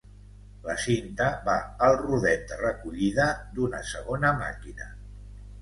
La cinta va al rodet de recollida d'una segona màquina.